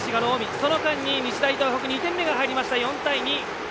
その間に、日大東北２点目が入りました、４対２。